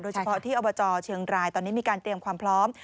เฉพาะที่อบจเชียงรายตอนนี้มีการเตรียมความพร้อม